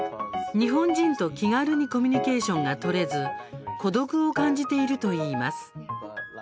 日本人と気軽にコミュニケーションが取れず孤独を感じているといいます。